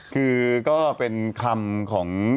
คือก็เป็นคำของ